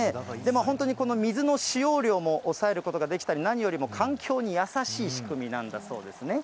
本当にこの水の使用量も抑えることができたり、何よりも環境に優しい仕組みなんだそうですね。